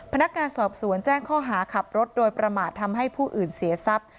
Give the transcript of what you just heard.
พนักงานสอบสวนแจ้งข้อหาขับรถโดยประมาททำให้ผู้อื่นเสียทรัพย์